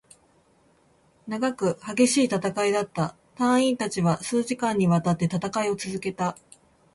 長く、激しい戦いだった。隊員達は数時間に渡って戦いを続けた。